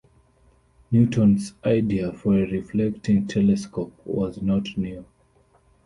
Newton's idea for a reflecting telescope was not new.